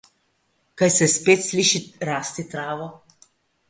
Kaj se spet sliši rasti travo?